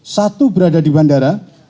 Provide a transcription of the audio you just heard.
satu berada di bandara